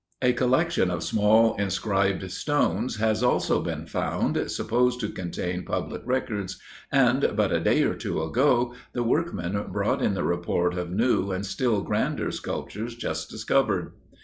A collection of small, inscribed stones, has also been found, supposed to contain public records; and, but a day or two ago, the workmen brought in the report of new and still grander sculptures just discovered.